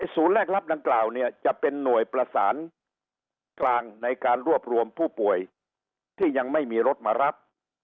แลกรับดังกล่าวเนี่ยจะเป็นหน่วยประสานกลางในการรวบรวมผู้ป่วยที่ยังไม่มีรถมารับ